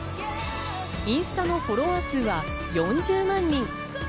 インスタのフォロワー数は４０万人。